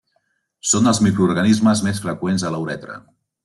Són els microorganismes més freqüents a la uretra.